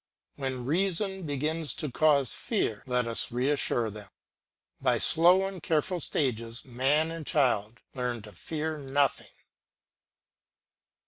When reason begins to cause fear, let us reassure them. By slow and careful stages man and child learn to fear nothing.